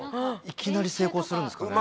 いきなり成功するんですかね？